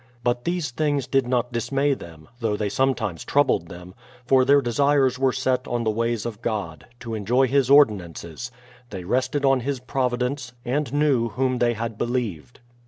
But these things did not dismay them, though they sometimes troubled them ; for their desires were set on the ways of God, to enjoy His ordinances ; they rested on His providence, and knew Whom they had believed.